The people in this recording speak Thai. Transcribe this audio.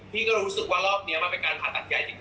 พี่ก็รู้สึกว่ารอบนี้มันเป็นการผ่าตัดใหญ่จริง